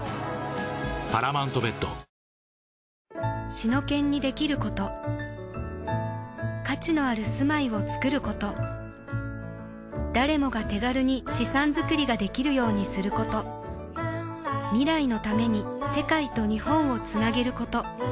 シノケンにできること価値のある住まいをつくること誰もが手軽に資産づくりができるようにすること未来のために世界と日本をつなげること